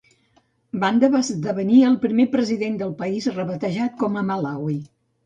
Banda va esdevenir el primer president del país rebatejat com a Malawi.